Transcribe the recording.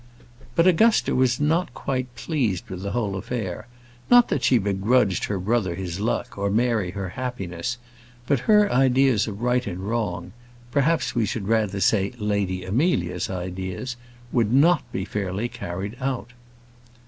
But Augusta was not quite pleased with the whole affair. Not that she begrudged her brother his luck, or Mary her happiness. But her ideas of right and wrong perhaps we should rather say Lady Amelia's ideas would not be fairly carried out.